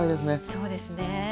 そうですね。